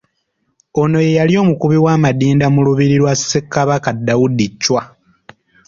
Ono ye yali omukubi w’amadinda mu lubiri lwa Ssekabaka Daudi Chwa.